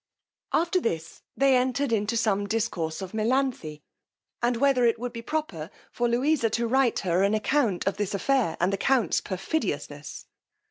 After this they entered into some discourse of Melanthe, and whether it would be proper for Louisa to write her an account of this affair, and the count's perfidiousness.